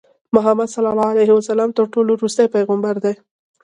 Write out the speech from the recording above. محمدﷺ تر ټولو ورستی پیغمبر دی.